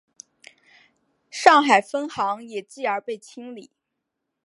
上海分行也继而被被清理。